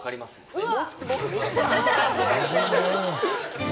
うわ。